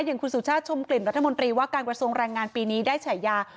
อย่างคุณสุชาติชมกลิ่นรัฐมนตรีว่าการกระทรวงแรงงานปีนี้ได้ฉายา